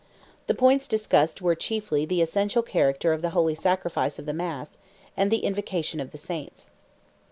The points discussed were chiefly the essential character of the Holy Sacrifice of the Mass, and the invocation of Saints.